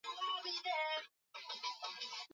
Uhuru kenyata alipinga vikali uamuzi huo